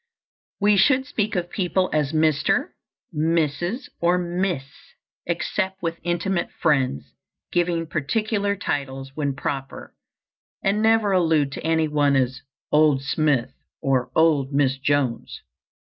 We should speak of people as Mr., Mrs., or Miss, except with intimate friends, giving particular titles when proper, and never allude to any one as "Old Smith," or "Old Miss Jones."